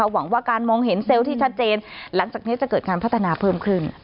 หวังว่าการมองเห็นเซลล์ที่ชัดเจนหลังจากนี้จะเกิดการพัฒนาเพิ่มขึ้น